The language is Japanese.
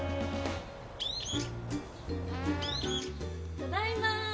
ただいま。